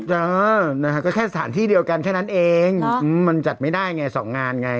เออนะฮะก็แค่สถานที่เดียวกันแค่นั้นเองมันจัดไม่ได้ไงสองงานไง